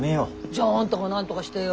じゃあんたがなんとかしてよ。